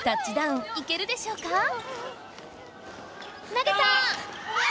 投げた！